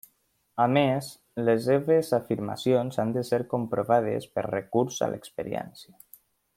A més les seves afirmacions han de ser comprovades per recurs a l'experiència.